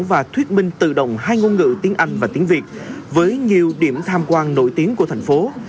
và thuyết minh tự động hai ngôn ngữ tiếng anh và tiếng việt với nhiều điểm tham quan nổi tiếng của thành phố